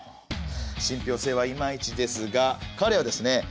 信ぴょう性はいまいちですが彼はですね